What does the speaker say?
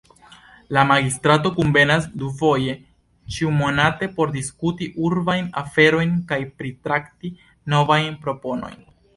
La Magistrato kunvenas dufoje ĉiu-monate por diskuti urbajn aferojn kaj pritrakti novajn proponojn.